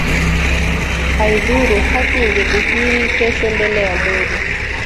Haidhuru, haki ingedhihiri kesho mbele ya Mungu